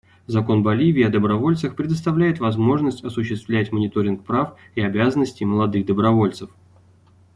Закон Боливии о добровольцах предоставляет возможность осуществлять мониторинг прав и обязанностей молодых добровольцев.